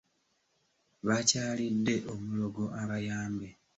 Baakyalidde omulogo abayambe.